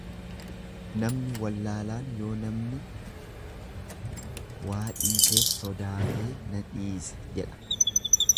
Namni wallaalaan yoo namni waa dhiiseef sodaatee na dhiise jedha.